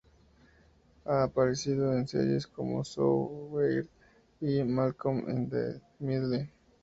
Ha aparecido en series como So Weird y Malcolm in the Middle.